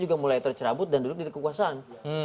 juga mulai tercerabut dan duduk di kekuasaan